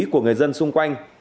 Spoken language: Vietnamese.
của người dân xung quanh